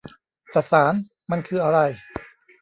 สสารมันคืออะไร